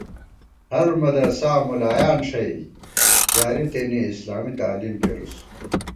ہرمدرسا مُلایان ݭَئی جاری تېنے اسلامی تعلیم کېرُوس